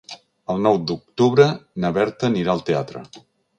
El nou d'octubre na Berta anirà al teatre.